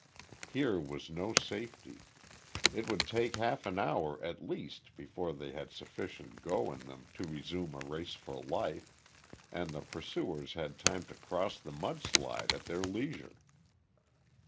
Here was no safety. It would take half an hour at least before they had sufficient go in them to resume a race for life, and the pursuers had time to cross the mud slide at their leisure.